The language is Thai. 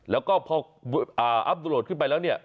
แล้วก็พออัพโดดขึ้นไปแล้วเนี่ย